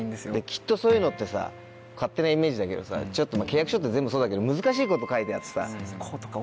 きっとそういうのってさ勝手なイメージだけどさ契約書って全部そうだけど難しいこと書いてあってさ。